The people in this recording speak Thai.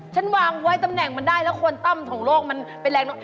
ฉันวางไว้ตำแหน่งมันได้แล้วคนตั้มของโลกมันเป็นแรง